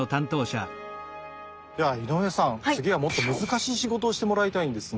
では井上さん次はもっと難しい仕事をしてもらいたいんですが。